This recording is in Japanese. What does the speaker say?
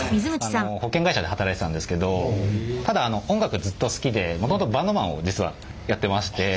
保険会社で働いてたんですけどただ音楽がずっと好きでもともとバンドマンを実はやってまして。